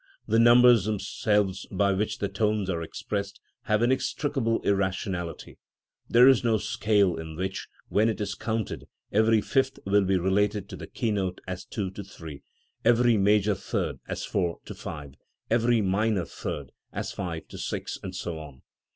The numbers themselves by which the tones are expressed have inextricable irrationality. There is no scale in which, when it is counted, every fifth will be related to the keynote as 2 to 3, every major third as 4 to 5, every minor third as 5 to 6, and so on.